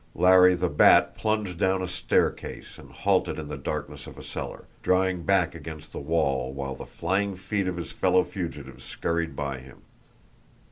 Larry the Bat plunged down a staircase, and halted in the darkness of a cellar, drawing back against the wall while the flying feet of his fellow fugitives scurried by him.